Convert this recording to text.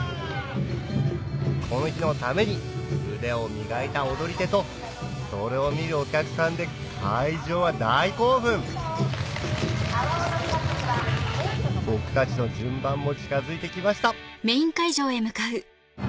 この日のために腕を磨いた踊り手とそれを見るお客さんで会場は大興奮僕たちの順番も近づいてきました